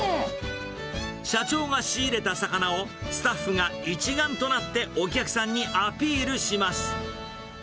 社長が仕入れた魚を、スタッフが一丸となってお客さんにアピールします。